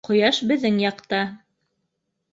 — Ҡояш беҙҙең яҡта.